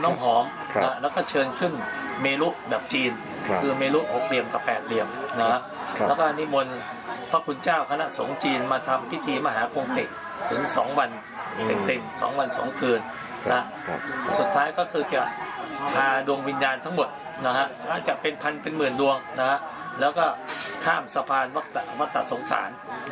อาจจะเป็นพันเป็นหมื่นลวงนะครับแล้วก็ข้ามสะพานวัตถสงสาร